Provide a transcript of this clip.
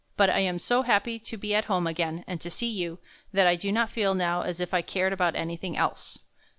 But I am so happy to be at home again and to see you, that I do not feel now as if I cared about any thing else."